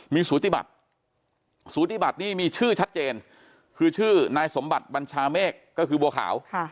มีสูติบัติสูติบัตินี่มีชื่อชัดเจนคือชื่อนายสมบัติบัญชาเมฆก็คือบัวขาว